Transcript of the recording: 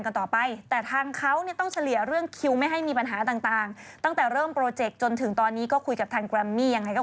มันไม่ใช่แน่หรือแน่นี่ประเด็นมันก็คือว่า